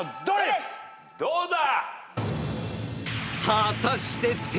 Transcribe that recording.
どうだ？